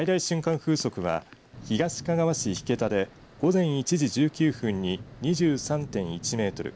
風速は東かがわ市引田で午前１時１９分に２３．１メートル